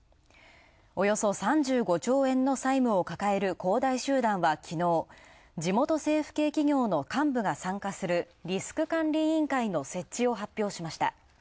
およそ３５兆円の債務を抱える恒大集団はきのう地元政府系企業の幹部が参加するリスク管理委員会の設置を発表しました。